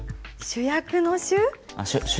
主役の「主」？